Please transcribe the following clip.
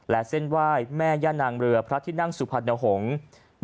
และเส้นไหว้แม่ย่านางเรือพระที่นั่งสุพรรณหงษ์